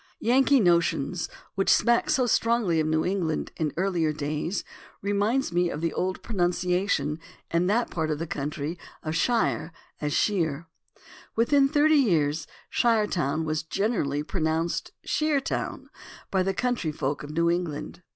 "Yankee notions," which smacks so strongly of New England in earlier days, reminds me of the old 262 THE ORIGIN OF CERTAIN AMERICANISMS pronunciation in that part of the country of "shire" as "sheer." Within thirty years "Shiretown" was generally pronounced "Sheer town" by the country folk of New England.